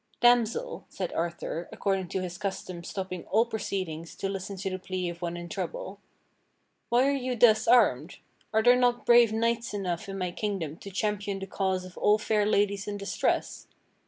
"Damsel," said Arthur, according to his custom stopping all proceedings to listen to the plea of one in trouble, "why are you thus armed Are there not brave knights enough in my kingdom to champion the cause of all fair ladies in distress?